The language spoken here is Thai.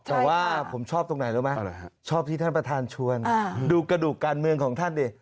แต่ว่าผมชอบตรงไหนรู้ไหมชอบที่ท่านประธานชวนดูกระดูกการเมืองของท่านดิ